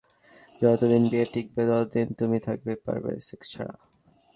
যতদিন বিয়ে টিকবে, ততদিন তুমি থাকতে পারবে সেক্স ছাড়া।